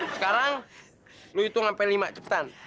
sekarang lo hitung sampai lima cepetan